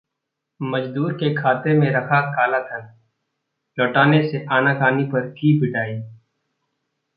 मजदूर के खाते में रखा कालाधन, लौटाने से आनाकानी पर की पिटाई...